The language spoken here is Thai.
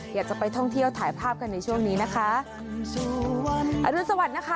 อยากจะไปท่องเที่ยวถ่ายภาพกันในช่วงนี้นะคะอรุณสวัสดิ์นะคะ